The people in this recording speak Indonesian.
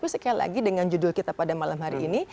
sekali lagi dengan judul kita pada malam hari ini